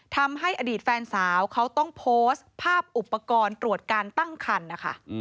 ทำให้อดีตแฟนสาวเขาต้องโพสต์ภาพอุปกรณ์ตรวจการตั้งคันนะคะ